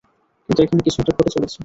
কিন্তু, এখানে কিছু একটা ঘটে চলেছে!